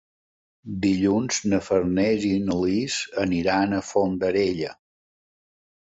Dilluns na Farners i na Lis aniran a Fondarella.